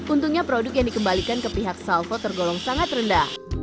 untungnya produk yang dikembalikan ke pihak salvo tergolong sangat rendah